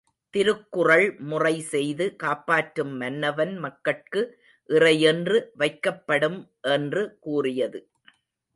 திருக்குறள் முறைசெய்து காப்பாற்றும் மன்னவன் மக்கட்கு இறையென்று வைக்கப் படும் என்று கூறியது.